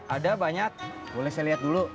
ada banyak boleh saya lihat dulu